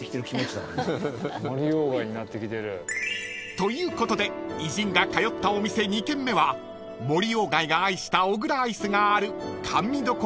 ［ということで偉人が通ったお店２軒目は森外が愛した小倉アイスがある甘味処みつばち］